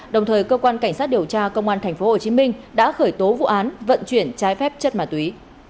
đồng thời cơ quan cảnh sát điều tra công an tp hcm đã khởi tố vụ án vận chuyển trái phép chất ma túy